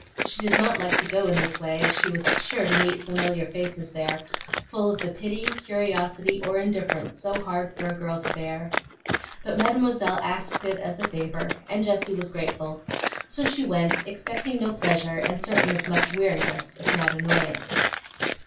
She did not like to go in this way, as she was sure to meet familiar faces there, full of the pity, curiosity, or indifference so hard for a girl to bear. But Mademoiselle asked it as a favor, and Jessie was grateful; so she went, expecting no pleasure and certain of much weariness, if not annoyance.